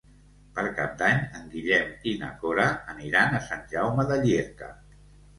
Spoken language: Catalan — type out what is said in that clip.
Per Cap d'Any en Guillem i na Cora aniran a Sant Jaume de Llierca.